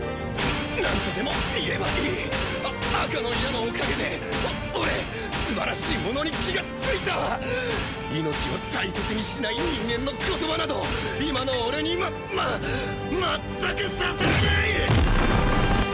何とでも言えばいいあ赤の矢のおかげでお俺すばらしいものに気がついた命を大切にしない人間の言葉など今の俺にまま全く刺さらない！